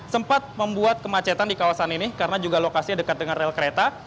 sempat membuat kemacetan di kawasan ini karena juga lokasinya dekat dengan rel kereta